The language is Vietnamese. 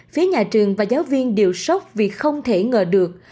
phía nhà trường và giáo viên đều sốc vì không thể ngờ được